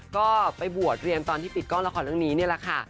ก็ไปบวชเรียนตอนที่ปิดกล้องละครเรื่องนี้นี่แหละค่ะ